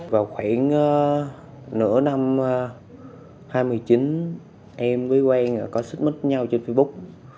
vào khoảng nửa năm hai mươi chín em với quang có xích mất nhau trên facebook